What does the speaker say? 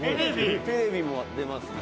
「テレビも出ますね」